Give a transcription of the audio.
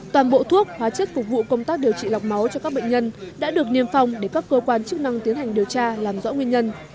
toàn bộ thuốc hóa chất phục vụ công tác điều trị lọc máu cho các bệnh nhân đã được niêm phong để các cơ quan chức năng tiến hành điều tra làm rõ nguyên nhân